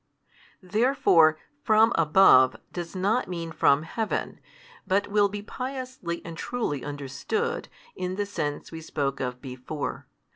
Therefore from above does not mean from heaven: but will be piously and truly understood, in the sense we spoke of before.